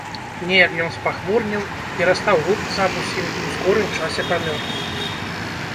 Неяк ён спахмурнеў, перастаў рупіцца аб усім і ў скорым часе памёр.